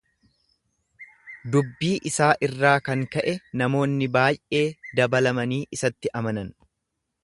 Dubbii isaa irraa kan ka'e namoonni baay'ee dabalanii isatti amanan.